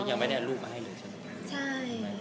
ยังไม่ได้เอารูปมาให้เลยใช่ไหม